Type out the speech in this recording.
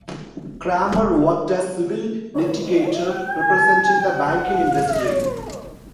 Kramer worked as civil litigator representing the banking industry.